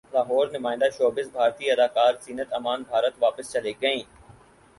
لاہورنمائندہ showbiz بھارتی اداکارہ زینت امان بھارت واپس چلی گئیں